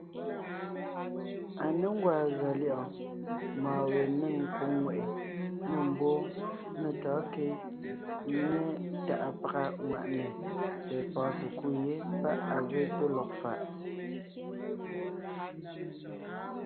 À ně gwàa gʉa lyɛ̌ʼɔɔn mɔ̌ɔn we nêŋ nkwòŋ ŋweʼe, nê mbwóon, nê tɔ̌ɔnkě né tàʼa pàga ŋwàʼne tsɛ̀ɛ pɔ̀ɔn sekúd yé páʼ à ge tó lɔg faʼ.